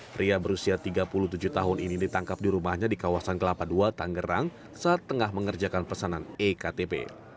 pria berusia tiga puluh tujuh tahun ini ditangkap di rumahnya di kawasan kelapa ii tanggerang saat tengah mengerjakan pesanan ektp